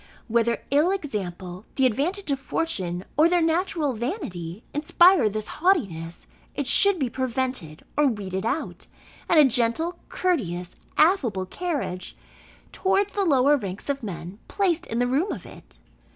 Whether ill example, the advantage of fortune or their natural vanity, inspire this haughtiness, it should be prevented or weeded out; and a gentle, courteous, affable carriage towards the lower ranks of men placed in the room of it.